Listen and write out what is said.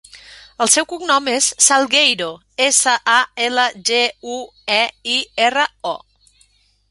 El seu cognom és Salgueiro: essa, a, ela, ge, u, e, i, erra, o.